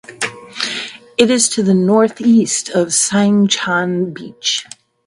It is to the northeast of Saeng Chan beach.